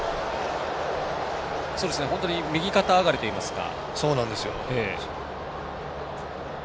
本当に右肩上がりといいますか。